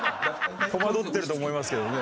戸惑ってると思いますけどね。